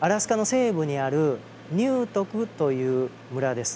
西部にあるニュートクという村です。